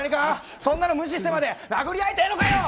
そんなの無視してまで殴り合いてえのかよ！